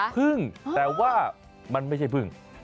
พึ่งแต่ว่ามันไม่ใช่พึ่ง